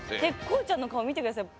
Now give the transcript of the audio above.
こうちゃんの顔見てください。